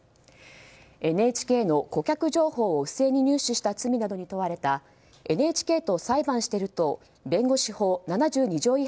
ＮＨＫの顧客情報を不正に入手した罪などに問われたＮＨＫと裁判してる党弁護士法７２条